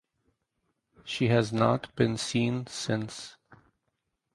She has not been seen since.